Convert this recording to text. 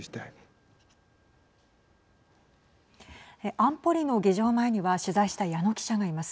安保理の議場前には取材した矢野記者がいます。